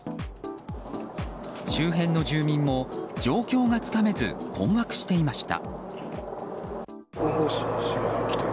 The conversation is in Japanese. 周辺の住民も状況がつかめず困惑していました。